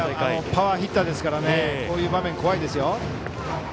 パワーヒッターですからこういう場面怖いですよ。